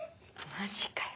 マジかよ。